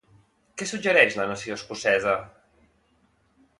Què suggereix la nació escocesa?